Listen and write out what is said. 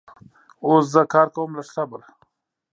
اوس زه کار کوم لږ صبر